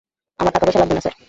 আমার টাকা পয়সা লাগবে না, স্যার।